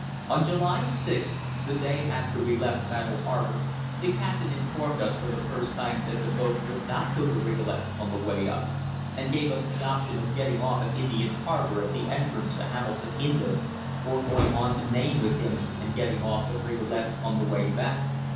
On July 6th, the day after we left Battle Harbour, the captain informed us for the first time that the boat would not go to Rigolet on the way up, and gave us the option of getting off at Indian Harbour at the entrance to Hamilton Inlet or going on to Nain with him and getting off at Rigolet on the way back.